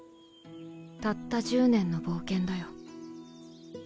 たった１０年の冒険だよ。